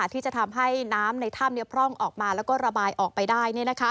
ที่จะทำให้น้ำในถ้ำพร่องออกมาแล้วก็ระบายออกไปได้